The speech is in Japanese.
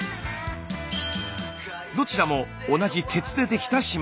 どちらも同じ鉄でできた島。